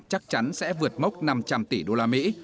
chắc chắn sẽ vượt mốc năm trăm linh tỷ đô la mỹ